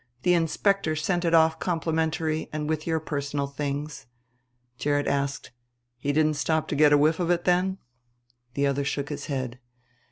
The inspector sent it off complimentary with your personal things." Gerrit asked, "He didn't stop to get a whiff of it then?" The other shook his head.